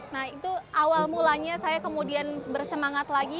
nah itu awal mulanya saya kemudian bersemangat lagi